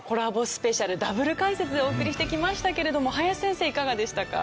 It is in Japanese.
スペシャルダブル解説でお送りしてきましたけれども林先生いかがでしたか？